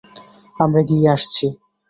আমরা গিয়ে আসছি।